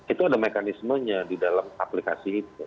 itu ada mekanismenya di dalam aplikasi itu